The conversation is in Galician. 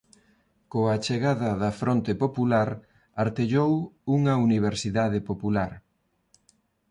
Coa chegada da Fronte Popular artellou unha Universidade Popular.